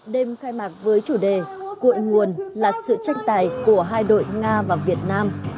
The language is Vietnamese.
đêm khai mạc với chủ đề cội nguồn là sự tranh tài của hai đội nga và việt nam